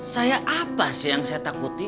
saya apa sih yang saya takuti